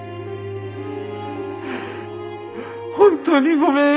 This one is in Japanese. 本当にごめん。